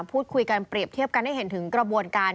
พูดคุยกันเปรียบเทียบกันให้เห็นถึงกระบวนการ